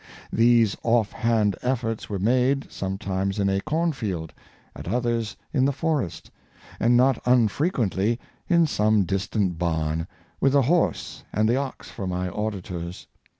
These off hand efforts were made, sometimes in a corn field, at others in the forest, and not unfrequently in some distant barn, with the horse and the ox for my auditors.